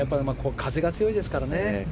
風が強いですからね。